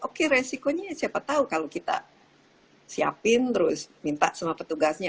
oke resikonya siapa tahu kalau kita siapin terus minta sama petugasnya